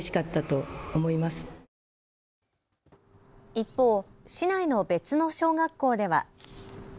一方、市内の別の小学校では。